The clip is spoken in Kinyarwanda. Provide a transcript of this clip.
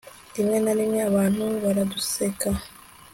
rimwe na rimwe abantu baraduseka